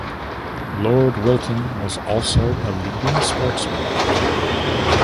Lord Wilton was also a leading sportsman.